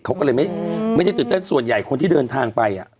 เขาก็เลยไม่ได้ตื่นเต้นส่วนใหญ่คนที่เดินทางไป